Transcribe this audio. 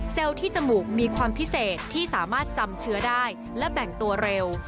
ที่จมูกมีความพิเศษที่สามารถจำเชื้อได้และแบ่งตัวเร็ว